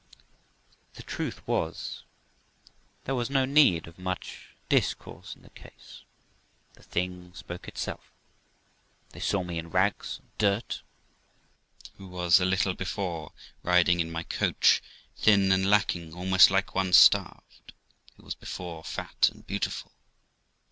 The truth was, there was no need of much discourse in the case, the thing spoke itself; they saw me in rags and dirt, who was but a little before riding in my coach ; thin, and looking almost like one starved, who was before fat and beautiful.